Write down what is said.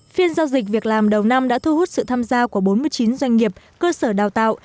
phiên giao dịch việc làm đầu năm đã thu hút sự tham gia của bốn mươi chín doanh nghiệp cơ sở đào tạo